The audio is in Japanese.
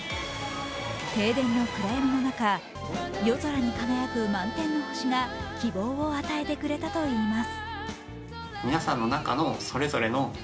停電の暗闇の中、夜空に輝く満天の星が希望を与えてくれたといいます。